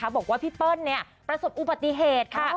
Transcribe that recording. บอกว่าพี่เปิ้ลประสบอุบัติเหตุค่ะ